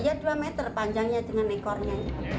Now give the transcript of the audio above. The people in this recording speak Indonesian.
ya dua meter panjangnya dengan ekornya